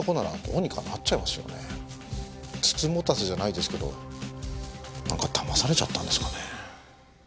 美人局じゃないですけどなんかだまされちゃったんですかね。